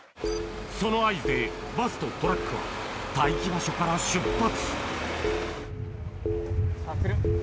その合図でバスとトラックは待機場所から出発さぁ来る。